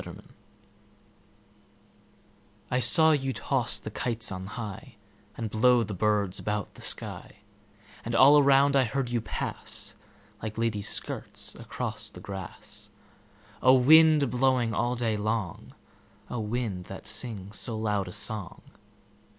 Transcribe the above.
The Wind I SAW you toss the kites on highAnd blow the birds about the sky; And all around I heard you pass, Like ladies' skirts across the grass—O wind, a blowing all day long,O wind, that sings so loud a song!